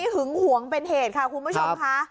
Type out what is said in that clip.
หึงหวงเป็นเหตุค่ะคุณผู้ชมค่ะ